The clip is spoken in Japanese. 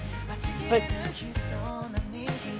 はい。